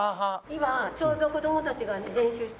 今ちょうど子供たちが練習してます。